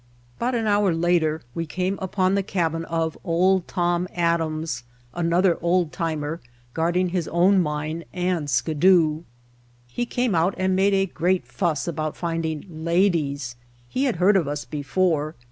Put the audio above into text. About an hour later we came upon the cabin of "Old Tom Adams," another old timer guard ing his own mine and Skidoo. He came out and made a great fuss about finding "ladies." He had heard of us before.